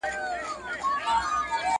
له مخلوقه يې جلا وه رواجونه!!